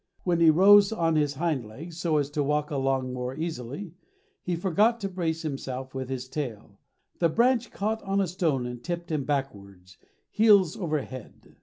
When he rose on his hind legs, so as to walk along more easily, he forgot to brace himself with his tail. The branch caught on a stone and tipped him backwards, heels over head.